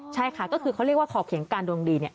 ใช่ค่ะก็คือเขาเรียกว่าขอบเขียงการดวงดีเนี่ย